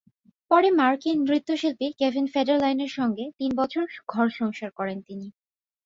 পরে মার্কিন নৃত্যশিল্পী কেভিন ফেডারলিনের সঙ্গে তিন বছর ঘর-সংসার করেন তিনি।